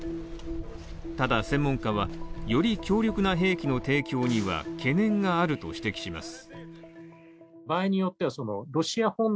ただ専門家は、より強力な兵器の提供には懸念があると指摘します。